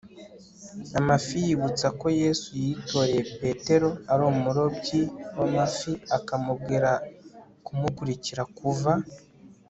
amafi yibutsa ko yezu yitoreye petero ari umurobyi w'amafi akamubwira kumukurikira kuva